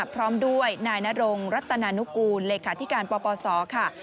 พร้อมด้วยนายนรงรัตนานุกูลเลขาธิการปปศค่ะ